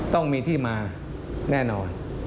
ต้องมีที่มาแน่นอน